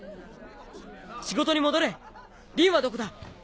仕事に戻れリンはどこだ？